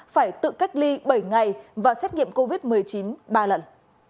phải tự cách ly bảy ngày và xét nghiệm covid một mươi chín ba lần